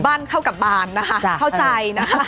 เข้ากับบานนะคะเข้าใจนะคะ